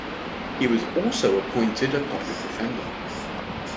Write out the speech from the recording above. He was also appointed a public defender.